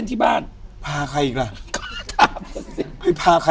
อยู่ที่แม่ศรีวิรัยิลครับ